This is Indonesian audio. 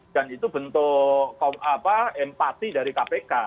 itu bentuk empati dari kpk